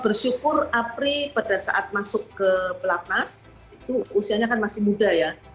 bersyukur apri pada saat masuk ke pelatnas itu usianya kan masih muda ya